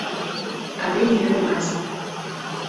Але не гэтым разам.